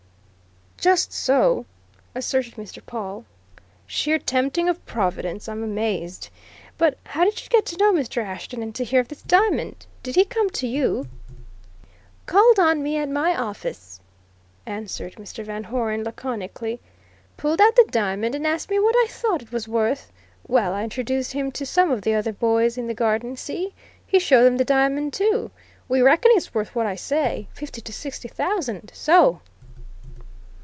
"Just so!" asserted Mr. Pawle. "Sheer tempting of Providence! I'm amazed! But how did you get to know Mr. Ashton and to hear of this diamond? Did he come to you?" "Called on me at my office," answered Mr. Van Hoeren laconically. "Pulled out the diamond and asked me what I thought it was worth. Well, I introduce him to some of the other boys in the Garden, see? He show them the diamond too. We reckon it's worth what I say fifty to sixty thousand. So!"